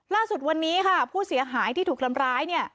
ล่าสุดวันนี้ค่ะผู้เสียหายที่ถูกทำร้ายเนี่ย